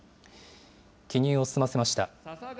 記入を済ませました。